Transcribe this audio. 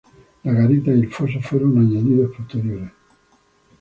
La garita y el foso fueron añadidos posteriores.